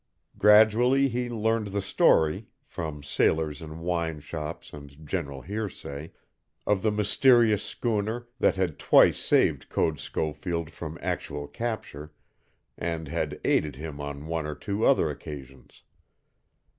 Gradually he learned the story (from sailors in wine shops and general hearsay) of the mysterious schooner that had twice saved Code Schofield from actual capture, and had aided him on one or two other occasions.